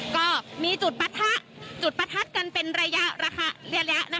ก็มีจุดประทัดกันเป็นระยะราคาเรียกแล้ว